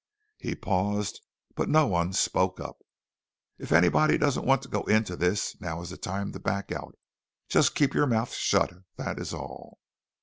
He paused, but no one spoke up. "If anybody doesn't want to go into this, now is the time to back out. Just keep your mouths shut, that is all."